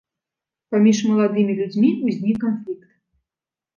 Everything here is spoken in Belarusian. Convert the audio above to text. Паміж маладымі людзьмі ўзнік канфлікт.